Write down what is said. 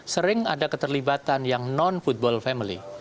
sering ada keterlibatan yang non football family